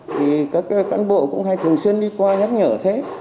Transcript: thì các cá nhân bộ cũng hay thường xuyên đi qua nhắc nhở thế